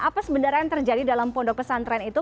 apa sebenarnya yang terjadi dalam pondok pesantren itu